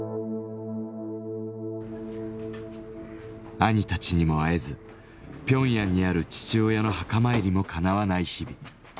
兄たちにも会えずピョンヤンにある父親の墓参りもかなわない日々。